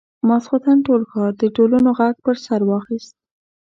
ماخستن ټول ښار د ډولونو غږ پر سر واخيست.